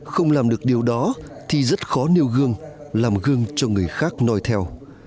không làm được điều đó thì rất khó nêu gương làm gương cho người khác nói theo